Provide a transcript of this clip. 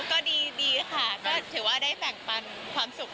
ก็ดีค่ะก็ถือว่าได้แบ่งปันความสุข